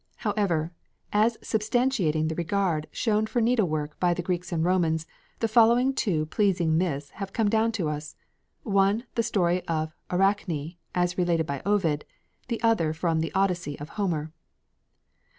However, as substantiating the regard shown for needlework by the Greeks and Romans, the following two pleasing myths have come down to us: one, the "Story of Arachne," as related by Ovid; the other from the "Odyssey" of Homer.